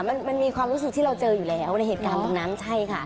มันมันมีความรู้สึกที่เราเจออยู่แล้วในเหตุการณ์ตรงนั้นใช่ค่ะ